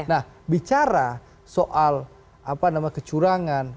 nah bicara soal kecurangan